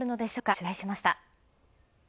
取材しました。